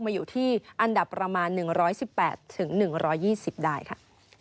มาอยู่ที่อันดับประมาณ๑๑๘๑๒๐ได้ค่ะ